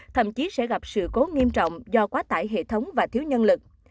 thậm chí sẽ gặp sự cố nghiêm trọng do quá tải hệ thống và thiếu nhân lực